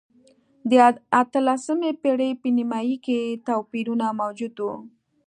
د اتلسمې پېړۍ په نییمایي کې توپیرونه موجود و.